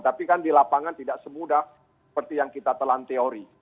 tapi kan di lapangan tidak semudah seperti yang kita telan teori